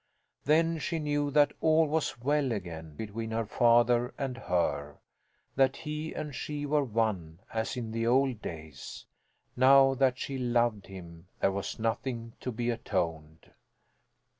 Then she knew that all was well again between her father and her; that he and she were one, as in the old days. Now that she loved him, there was nothing to be atoned.